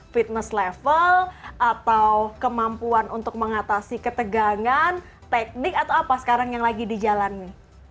fitness level atau kemampuan untuk mengatasi ketegangan teknik atau apa sekarang yang lagi dijalani